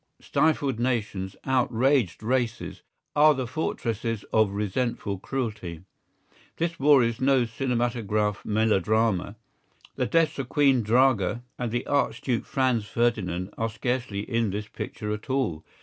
Stifled nations, outraged races, are the fortresses of resentful cruelty. This war is no cinematograph melodrama. The deaths of Queen Draga and the Archduke Franz Ferdinand are scarcely in this picture at all.